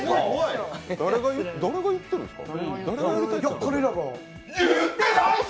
誰が言ってるんですか？